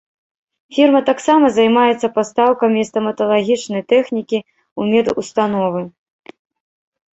Фірма таксама займаецца пастаўкамі стаматалагічнай тэхнікі ў медустановы.